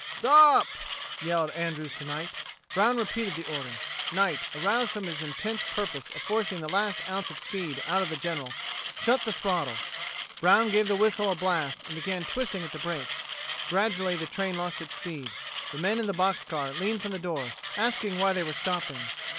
"Stop!" yelled Andrews to Knight. Brown repeated the order. Knight, aroused from his intense purpose of forcing the last ounce of speed out of the General, shut the throttle. Brown gave the whistle a blast, and began twisting at the brake. Gradually the train lost its speed. The men in the box car leaned from the door, asking why they were stopping.